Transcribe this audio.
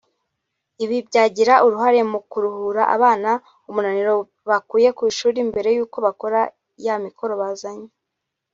Ibi byagira uruhare mu kuruhura abana umunaniro bakuye ku ishuri mbere y’uko bakora ya mikoro bazanye